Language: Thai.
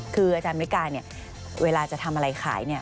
คืออาจารย์มิกาเนี่ยเวลาจะทำอะไรขายเนี่ย